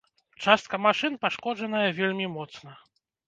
Частка машын пашкоджаная вельмі моцна.